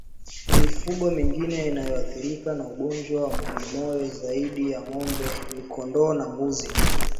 Mifugo mingine inayoathirika na ugonjwa wa majimoyo zaidi ya ngombe ni kondoo na mbuzi